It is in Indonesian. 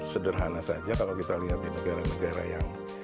sederhana saja kalau kita lihat di negara negara yang